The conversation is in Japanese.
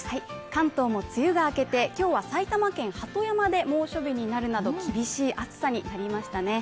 関東も梅雨が明けて、今日は埼玉県・鳩山で猛暑日になるなど厳しい暑さになりましたね。